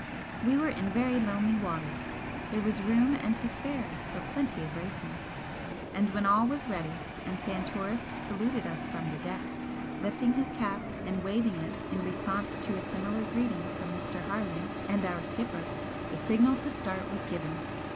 We were in very lonely waters, there was room and to spare for plenty of racing, and when all was ready and Santoris saluted us from the deck, lifting his cap and waving it in response to a similar greeting from Mr. Harland and our skipper, the signal to start was given.